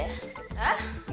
えっ？